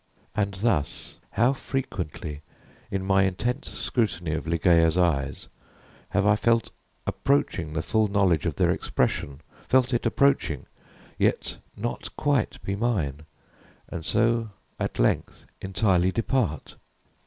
And thus how frequently, in my intense scrutiny of Ligeia's eyes, have I felt approaching the full knowledge of their expression felt it approaching yet not quite be mine and so at length entirely depart!